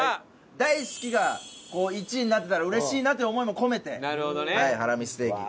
大好きが１位になってたら嬉しいなという思いも込めてハラミステーキ。